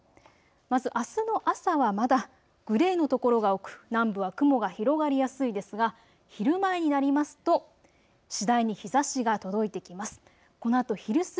まずあすの朝はまだグレーの所が多く南部は雲が広がりやすいですが昼前になりますと次第に日ざしが届いてきます。